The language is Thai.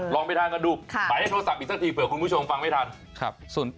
ลองไปทานกันดูหมายโทรศัพท์อีกสักทีเผื่อคุณผู้ชมฟังไม่ทัน